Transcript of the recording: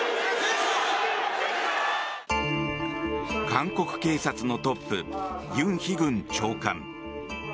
韓国警察のトップユン・ヒグン長官。